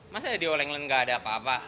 masa di olenglen gak ada apa apa